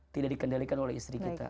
tidak dikendalikan oleh istri kita